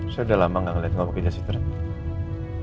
saya udah lama gak ngeliat ngomongin jasiternya